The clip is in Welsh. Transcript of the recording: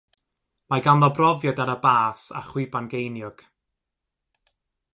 Mae ganddo brofiad ar y bas a'r chwiban geiniog.